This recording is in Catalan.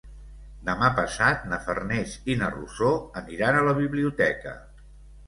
Demà passat na Farners i na Rosó aniran a la biblioteca.